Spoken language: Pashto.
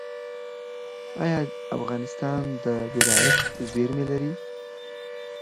آیا افغانستان د بیرایت زیرمې لري؟